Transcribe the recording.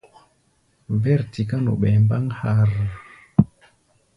Vɛ̂r tiká nu ɓɛɛ mbáŋ harrr.